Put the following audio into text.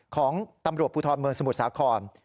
ของตำรวจภูทรเมืองสมุทรสาคร